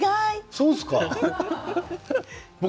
そうですか？